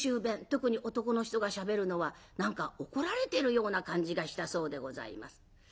特に男の人がしゃべるのは何か怒られてるような感じがしたそうでございます。